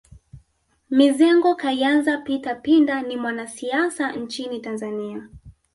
Mizengo Kayanza Peter Pinda ni mwanasiasa nchini Tanzania